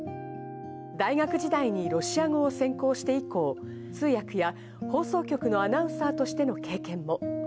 大学時代にロシア語を専攻して以降、通訳や放送局のアナウンサーとしての経験も。